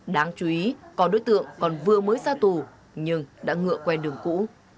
đáng chú ý có đối tượng còn vừa mới ra tù nhưng đã ngựa quen đường cũ